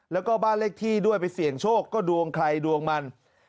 แล้วก็บ้านเลขที่ด้วยไปเสี่ยงโชคก็ดวงใครดวงมัน